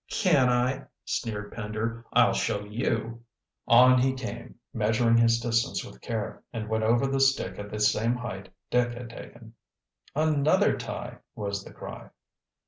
"Can't I," sneered Pender. "I'll show you." On he came, measuring his distance with care, and went over the stick at the same height Dick had taken. "Another tie!" was the cry.